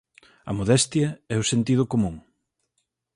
A modestia e o sentido común.